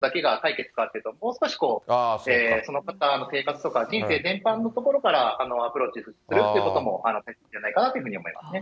こういった観点から考えても、単に断酒するということだけが解決かというと、もう少しその方の生活とか、人生全般のところからアプローチするということも、大切じゃないかなというふうに思いますね。